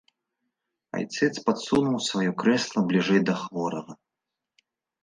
Айцец падсунуў сваё крэсла бліжэй да хворага.